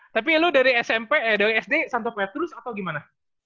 tapi lu dari sd santo petrus atau gimana